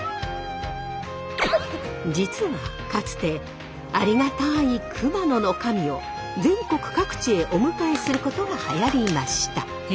実はかつてありがたい熊野の神を全国各地へお迎えすることがはやりました。